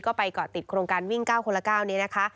ก็ไปเกาะติดโครงการวิ่ง๙คนละ๙นี้นะคะ